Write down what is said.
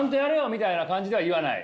みたいな感じでは言わない。